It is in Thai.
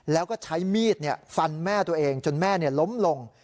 แล้วก็ใช้มีดฟันแม่ตัวเองจนแม่ล้มลง